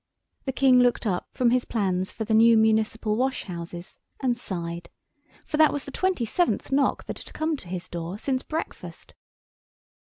The King looked up from his plans for the new municipal washhouses and sighed; for that was the twenty seventh knock that had come to his door since breakfast.